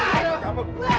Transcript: lalu satu orang